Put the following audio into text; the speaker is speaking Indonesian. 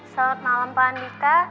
selamat malam pak andika